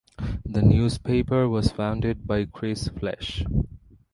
The newspaper was founded by Chris Flash.